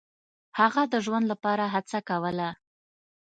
هغه د ژوند لپاره هڅه کوله.